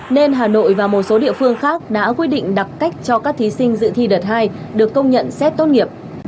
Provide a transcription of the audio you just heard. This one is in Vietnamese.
nên hà nội và một số địa phương khác đã quy định đặt cách cho các thí sinh dự thi đợt hai được công nhận xét tốt nghiệp